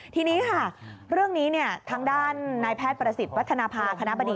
ทีนี้ค่ะเรื่องนี้ทางด้านนายแพทย์ประสิทธิ์วัฒนภาคณะบดี